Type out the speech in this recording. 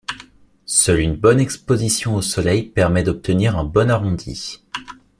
Seul une bonne exposition au soleil permet d'obtenir un bon arrondi.